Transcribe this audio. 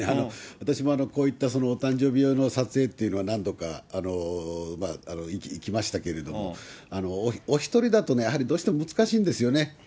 私もこういったお誕生日用の撮影というのは何度か行きましたけれども、お一人だとね、どうしても難しいんですよね。